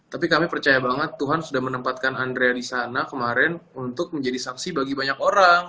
tapi kami percaya banget tuhan sudah menempatkan andrea di sana kemarin untuk menjadi saksi bagi banyak orang